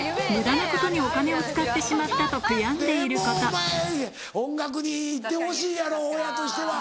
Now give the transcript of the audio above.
でもお前音楽に行ってほしいやろ親としては。